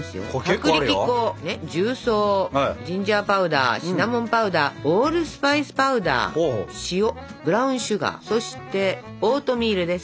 薄力粉重曹ジンジャーパウダーシナモンパウダーオールスパイスパウダー塩ブラウンシュガーそしてオートミールです。